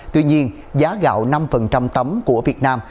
tuy nhiên giá gạo năm tấm của việt nam